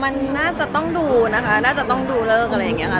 มันน่าจะต้องดูนะคะน่าจะต้องดูเลิกอะไรอย่างนี้ค่ะ